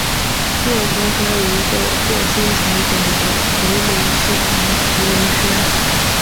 庙旁还有一个获薪传奖的傀儡戏团福龙轩。